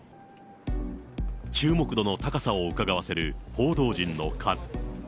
注目度の高さをうかがわせる報道陣の数。